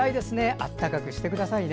暖かくしてくださいね。